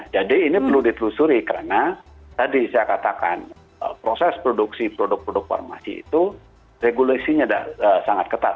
jadi ini perlu ditelusuri karena tadi saya katakan proses produksi produk produk farmasi itu regulasinya sangat ketat